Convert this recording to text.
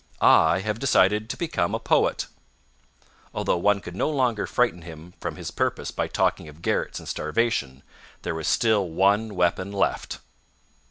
I have decided to become a poet," although one could no longer frighten him from his purpose by talking of garrets and starvation, there was still one weapon left.